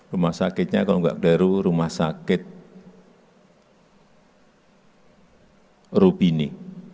rumah sakitnya kalau enggak baru rumah sakit rupini